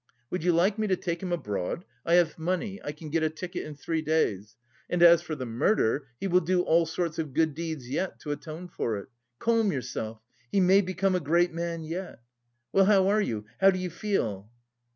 Would you like me to take him abroad? I have money, I can get a ticket in three days. And as for the murder, he will do all sorts of good deeds yet, to atone for it. Calm yourself. He may become a great man yet. Well, how are you? How do you feel?"